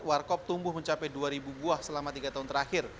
warkop tumbuh mencapai dua ribu buah selama tiga tahun terakhir